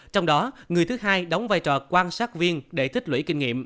trong đó người thứ hai đóng vai trò quan sát viên để tích lũy